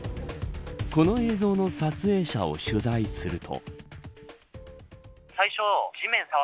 この映像の撮影者を取材すると。